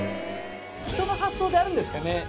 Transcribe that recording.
人の発想であるんですかね。